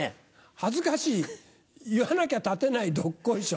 恥ずかしい言わなきゃ立てない「どっこいしょ」。